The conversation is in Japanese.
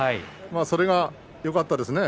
それがよかったですね